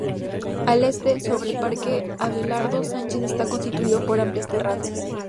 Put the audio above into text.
Al este, sobre el parque Abelardo Sánchez, está constituido por amplias terrazas.